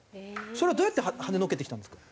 それをどうやってはねのけてきたんですか？